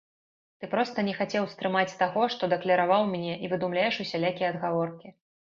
Ты проста не хацеў стрымаць таго, што дакляраваў мне, і выдумляеш усялякія адгаворкі.